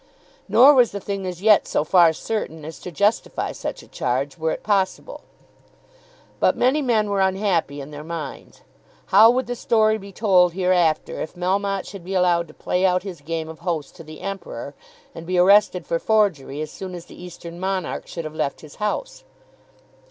Nor was the thing as yet so far certain as to justify such a charge, were it possible. But many men were unhappy in their minds. How would the story be told hereafter if Melmotte should be allowed to play out his game of host to the Emperor, and be arrested for forgery as soon as the Eastern Monarch should have left his house?